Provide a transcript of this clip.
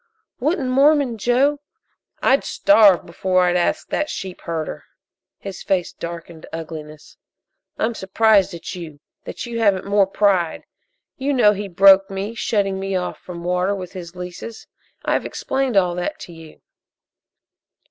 "Wouldn't Mormon Joe " "I'd starve before I'd ask that sheepherder!" His face darkened to ugliness. "I'm surprised at you that you haven't more pride. You know he broke me, shutting me off from water with his leases. I've explained all that to you."